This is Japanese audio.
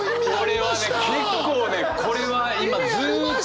これはね結構ねこれは今ずっと！